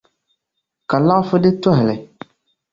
Ka laɣifu di tɔhili.